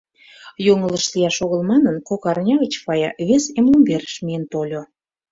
Йоҥылыш лияш огыл манын, кок арня гыч Фая вес эмлымверыш миен тольо.